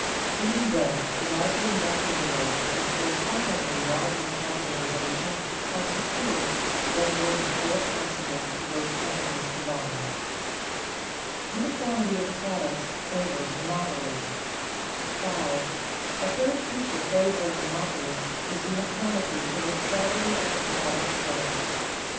Even then, larger net dividends and correspondingly larger capitalization are secured than were before possible to both companies combined. [Sidenote: Uniformity of products favors monopoly] 5. _A third feature favoring monopoly is uniformity in the quality of the product furnished.